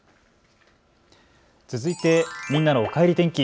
続いてみんなのおかえり天気。